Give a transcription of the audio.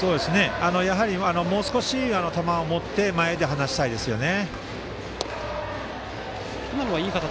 やはりもう少し球を持って前で放したいですよね。